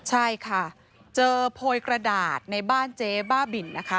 ใช่ค่ะเจอโพยกระดาษในบ้านเจ๊บ้าบินนะคะ